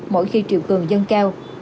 mỗi khi triều cường dân cao